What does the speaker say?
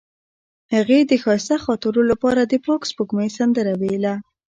هغې د ښایسته خاطرو لپاره د پاک سپوږمۍ سندره ویله.